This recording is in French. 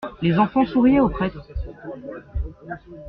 Les enfants souriaient au prêtre.